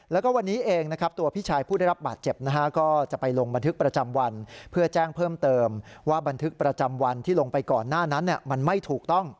แล้วก็วันนี้เองนะครับตัวพี่ชายผู้ได้รับบาดเจ็บนะฮะก็จะไปลงบันทึกประจำวันเพื่อแจ้งเพิ่มเติมว่าบันทึกประจำวันที่ลงไปก่อนหน้านั้นมันไม่ถูกต้อง